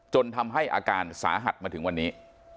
จนทำให้อาการสาหัสมาถึงวันนี้